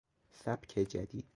سبک جدید